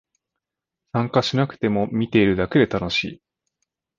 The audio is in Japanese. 参加しなくても見てるだけで楽しい